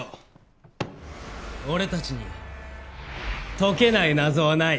俺たちに解けない謎はない。